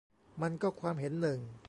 มันก็ความเห็นหนึ่ง